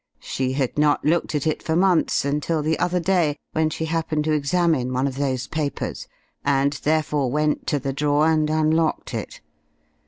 She had not looked at it for months, until the other day when she happened to examine one of those papers, and therefore went to the drawer and unlocked it.